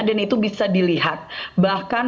dan itu bisa dilihat bahkan